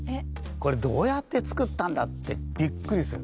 これどうやって作ったんだってびっくりする。